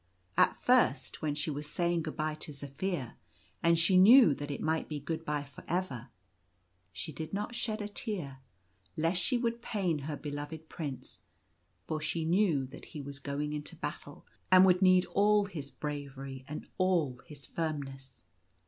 At first, when she was saying good bye to Zaphir — and she knew that it might be good bye for ever — she did not shed a tear, lest she should pain her beloved Prince, for she knew that he was going into battle, and would need all his bravery and all his firmness.